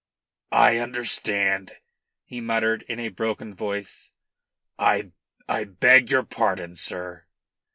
"I understand," he muttered in a broken voice, "I I beg your pardon, sir."